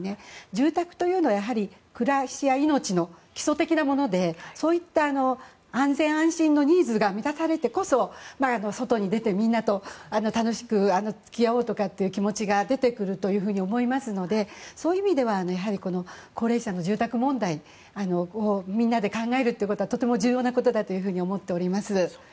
住宅というのは暮らしや命の基礎的なものでそういった安全・安心のニーズが満たされてこそ外に出て、みんなと楽しく付き合おうという気持ちが出てくると思いますのでそういう意味では高齢者の住宅問題をみんなで考えるということはとても重要なことだと思っております。